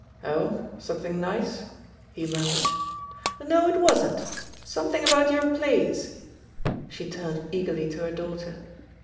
"Oh, something nice?" he murmured. "No, it wasn't. Something about your plays 1" She turned eagerly to her daughter.